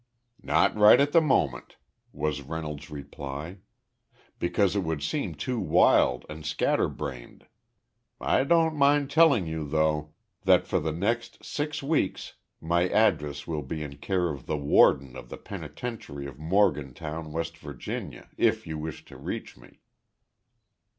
"Not right at the moment," was Reynolds's reply, "because it would seem too wild and scatterbrained. I don't mind telling you, though, that for the next six weeks my address will be in care of the warden of the penitentiary of Morgantown, West Virginia, if you wish to reach me."